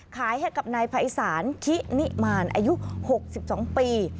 ขายให้กับนายภัยศาลขินิมารอายุหกสิบสองปี